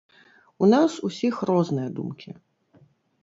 У нас усіх розныя думкі.